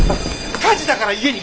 火事だから家に帰ろう。